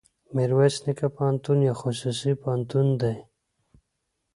ميرويس نيکه پوهنتون يو خصوصي پوهنتون دی.